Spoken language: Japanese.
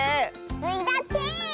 スイだって！